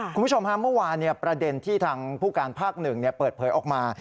คุณผู้ชมฮะเมื่อวานประเด็นที่ทางผู้การภาค๑เปิดเผยออกมา